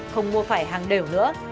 không mua phải hàng đều nữa